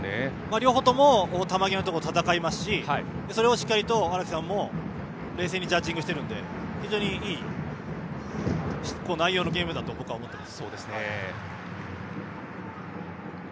両方とも球際のところで戦いますしそれをしっかりと荒木さんも冷静にジャッジングしているので非常にいい内容のゲームだと僕は思ってます。